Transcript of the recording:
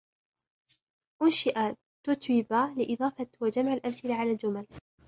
أُنشِئ تتويبا لإضافة وجمع الأمثلة على الجمل.